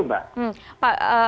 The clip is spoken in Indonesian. seperti itu mbak